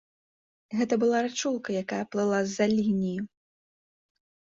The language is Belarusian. Гэта была рачулка, якая плыла з-за лініі.